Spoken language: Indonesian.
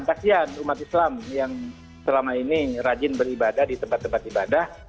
kasian umat islam yang selama ini rajin beribadah di tempat tempat ibadah